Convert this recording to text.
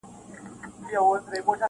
ما ته بيرته يو ځل راكه اولادونه-